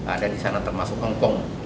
ada disana termasuk hongkong